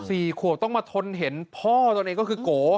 สี่ขวบต้องมาทนเห็นพ่อตัวเองก็คือโก